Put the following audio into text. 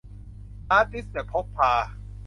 ฮาร์ดดิสก์แบบพกพา